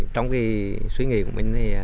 trong suy nghĩ của mình